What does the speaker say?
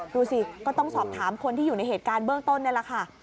ดูสิก็ต้องสอบถามคนที่อยู่ในเหตุการณ์เบื้องต้นนี่แหละค่ะ